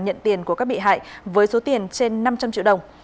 nhận tiền của các bị hại với số tiền trên năm trăm linh triệu đồng